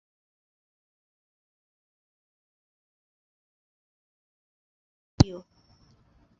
La plej granda parto de Marĉo estas nun parto de la regiono Limoĝio.